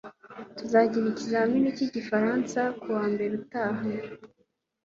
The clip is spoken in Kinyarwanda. Tuzagira ikizamini cyigifaransa kuwa mbere utaha.